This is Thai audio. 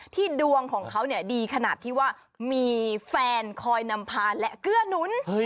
ดวงของเขาดีขนาดที่ว่ามีแฟนคอยนำพาและเกื้อหนุน